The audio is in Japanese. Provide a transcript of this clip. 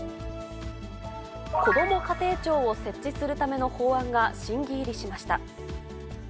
こども家庭庁を設置するための法案が審議入りしました。